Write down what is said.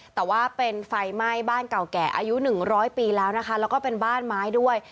แต่ว่าเป็นไฟไหม้บ้านเก่าแก่อายุหนึ่งร้อยปีแล้วนะคะแล้วก็เป็นบ้านไม้ด้วย